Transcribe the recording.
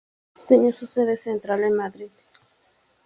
Tenía su sede central en Madrid.